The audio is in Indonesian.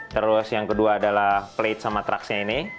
terus yang kedua adalah plate sama trucksnya ini